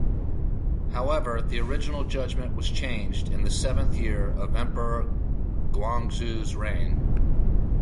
However the original judgment was changed in the seventh year of Emperor Guangxu’s reign.